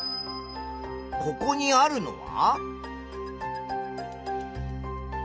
ここにあるのは？